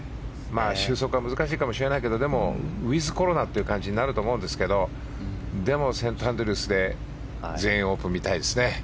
収束は難しいかもしれないけどウィズコロナという感じになると思いますがセントアンドリュースで全英オープンを見たいですね。